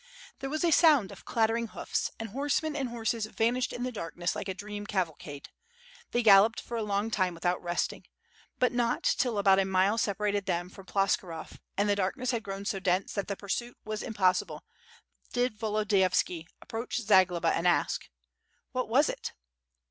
There was a sound of clattering hoofs, and horsemen and horses vanished in the darkness like a dream cavalcade. They galloped for a long time without resting. But not till about a mile separated them from Ploskirov, and the darkness had grown so dense that the pursuit was impossible, did Volo diyovski approach Zagloba and ask: "What was it?"